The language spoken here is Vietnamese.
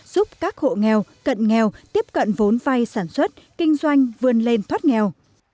giúp các hộ nghèo cận nghèo tiếp cận vốn vay sản xuất kinh doanh vươn lên thoát nghèo